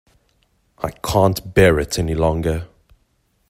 I can’t bear it any longer